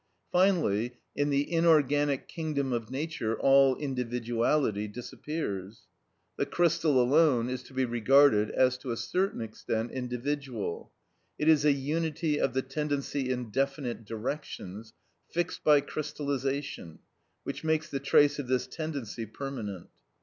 Finally, in the inorganic kingdom of nature all individuality disappears. The crystal alone is to be regarded as to a certain extent individual. It is a unity of the tendency in definite directions, fixed by crystallisation, which makes the trace of this tendency permanent.